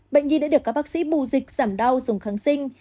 bệnh nhi đã được các bác sĩ bù dịch giảm đau dùng kháng sinh